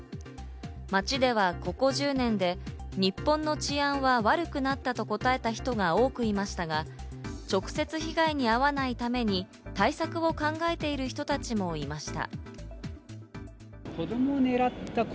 街では、ここ１０年で日本の治安は悪くなったと答えた人が多くいましたが、直接、被害に遭わないために、対策を考えている人たちもいました。